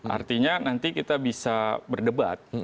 artinya nanti kita bisa berdebat